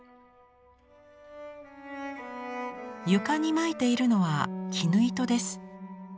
床にまいているのは絹糸です。